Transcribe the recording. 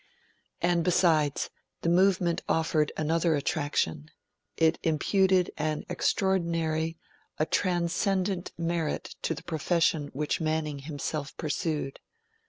And besides, the Movement offered another attraction: it imputed an extraordinary, transcendent merit to the profession which Manning himself pursued.